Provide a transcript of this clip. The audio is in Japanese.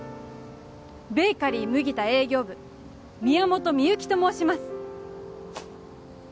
ベーカリー麦田営業部宮本みゆきと申します